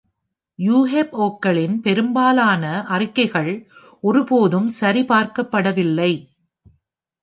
யுஎஃப்ஒக்களின் பெரும்பாலான அறிக்கைகள் ஒருபோதும் சரிபார்க்கப்படவில்லை.